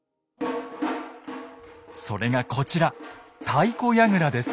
それがこちら「太鼓やぐら」です。